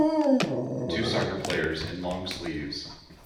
two soccer players in long sleeves